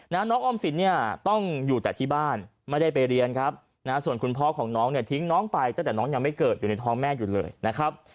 น้องออมสินเนี่ยต้องอยู่แต่ที่บ้านไม่ได้ไปเรียนครับนะส่วนคุณพ่อของน้องเนี่ยทิ้งน้องไปตั้งแต่น้องยังไม่เกิดอยู่ในท้องแม่อยู่เลยนะครับ